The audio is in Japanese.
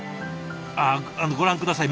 ご覧下さい。